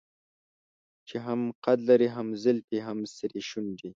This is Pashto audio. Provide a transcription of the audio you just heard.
چې هم قد لري هم زلفې هم سرې شونډې.